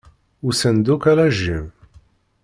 Usan-d akk ala Jim.